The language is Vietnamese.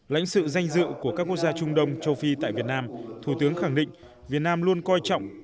lãnh sự danh dự của các quốc gia trung đông châu phi tại việt nam thủ tướng khẳng định việt nam luôn coi trọng